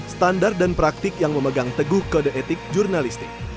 standar dan praktik yang memegang teguh kode etik jurnalistik